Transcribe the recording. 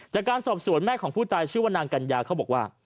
จากการสอบสวนแม่ของผู้ตายชื่อว่านางกัญญาเขาบอกว่า